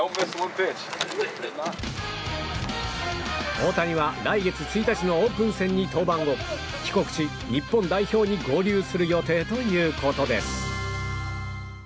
大谷は来月１日のオープン戦に登板後、帰国し日本代表に合流する予定ということです。